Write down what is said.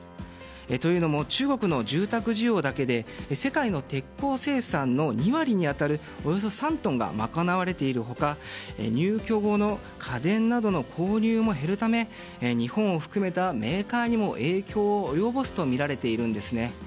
というのも中国の住宅需要だけで世界の鉄鋼生産の２割に当たるおよそ３トンが賄われている他入居後の家電の購入も減るため日本を含めたメーカーにも影響を及ぼすとみられているんですね。